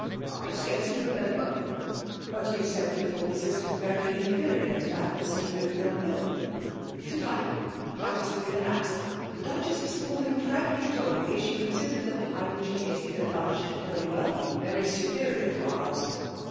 — I scarcely remember," 49 FEMALE DOMINATION. .*' But y6u said you thought the aystmi Tarf inferior to thftt puraued at Mill faiU.^ '' Did I ?— I must have been an ass !— ^Tbe I>):ichess of Spalding firankly told me, she ceu sidered the pine she tasted at luncheon at Holywell very superior to oui:s.